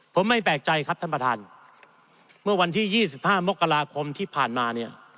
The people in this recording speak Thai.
ผมไม่แปลกใจครับท่านประธานเมื่อวันที่๒๕มกราคมที่ผ่านมาเนี่ย